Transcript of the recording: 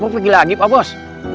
mau pergi lagi pak bos